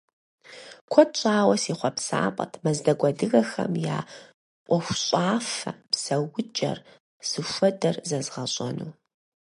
Куэд щӏауэ си хъуэпсапӏэт мэздэгу адыгэхэм я ӏуэхущӏафэ, псэукӏэр зыхуэдэр зэзгъэщӏэну.